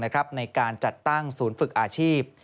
ในการจัดตั้งศูนย์ฝึกอาชีพ